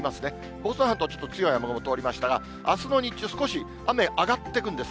房総半島、ちょっと雨雲通りましたが、あすの日中、少し、雨上がってくんです。